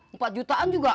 empat jutaan juga